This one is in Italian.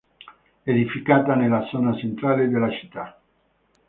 Edificata nella zona centrale della città.